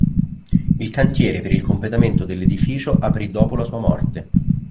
Il cantiere per il completamento dell'edificio aprì dopo la sua morte.